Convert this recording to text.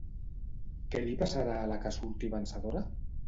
Què li passarà a la que surti vencedora?